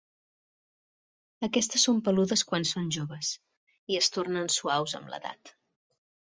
Aquestes són peludes quan són joves, i es tornen suaus amb l'edat.